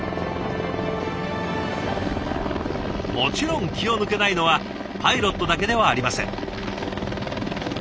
もちろん気を抜けないのはパイロットだけではありません。